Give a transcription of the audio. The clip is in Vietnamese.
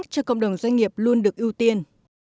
cho cộng đồng doanh nghiệp luôn được ưu tiên